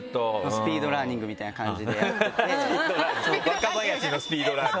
スピードラーニングみたいな感じでやってて。